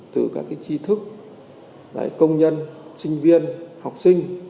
từ các chi thức công nhân sinh viên học sinh